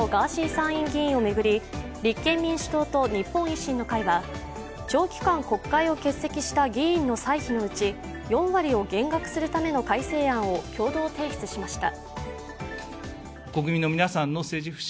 参院議員を巡り立憲民主党と日本維新の会は長期間議会を欠席した議員の歳費のうち、４割を減額するための改正案を共同提出しました。